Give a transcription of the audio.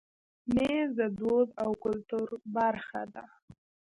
مېز د دود او کلتور برخه ده.